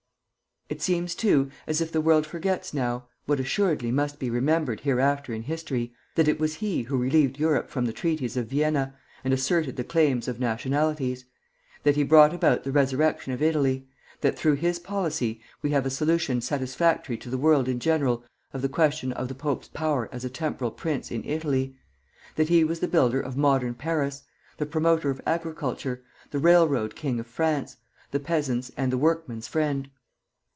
] It seems, too, as if the world forgets now what assuredly must be remembered hereafter in history that it was he who relieved Europe from the treaties of Vienna, and asserted the claims of nationalities; that he brought about the resurrection of Italy; that through his policy we have a solution satisfactory to the world in general of the question of the pope's power as a temporal prince in Italy; that he was the builder of modern Paris, the promoter of agriculture, the railroad king of France, the peasant's and the workman's friend.